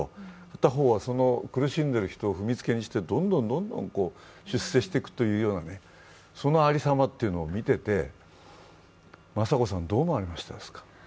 片方は苦しんでいる人を踏みつけにしてどんどん出世していくというようなそのありさまを見ていて雅子さん、どう思われましたか。